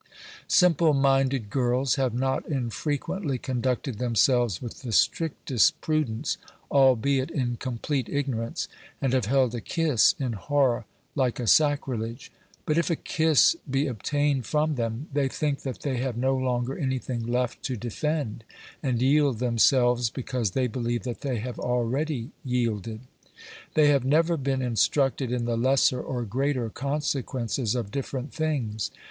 Simple minded girls have not infrequently conducted themselves with the strictest prudence, albeit in complete ignorance, and have held a kiss in horror like a sacrilege ; but if a kiss be obtained from them, they think that they have no longer anything left to defend, and yield themselves because they believe that they have already yielded. They have never been instructed in the lesser or greater conse quences of different things.